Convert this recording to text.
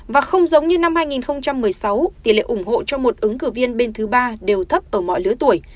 và không giống như năm hai nghìn một mươi sáu tỷ lệ ủng hộ cho một ứng cử viên bên thứ ba đều thấp ở mọi lứa tuổi